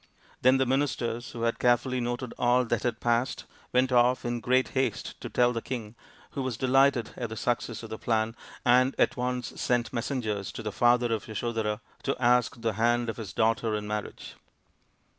Then the ministers, who had carefully noted all that had passed, went off in great haste to tell the THE PRINCE WONDERFUL 167 king, who was delighted at the success of the plan, and at once sent messengers to the father of Yaso dhara to ask the hand of his daughter in marriage.